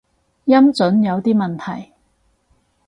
音準有啲問題